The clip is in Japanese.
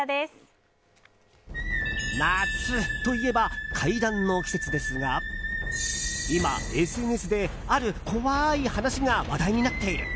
夏といえば、怪談の季節ですが今、ＳＮＳである怖い話が話題になっている。